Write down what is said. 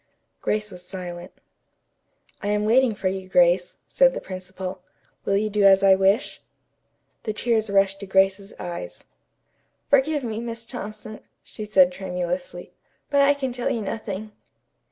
Grace was silent. "I am waiting for you, Grace," said the principal. "Will you do as I wish?" The tears rushed to Grace's eyes. "Forgive me, Miss Thompson," she said tremulously, "but I can tell you nothing."